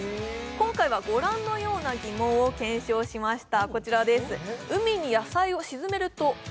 今回はご覧のような疑問を検証しました。